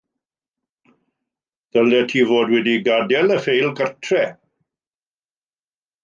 Ddylet ti fod wedi gadael y ffeil gartref